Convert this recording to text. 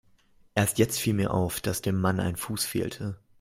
Erst jetzt fiel mir auf, dass dem Mann ein Fuß fehlte.